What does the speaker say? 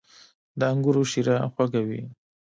• د انګورو شیره خوږه وي.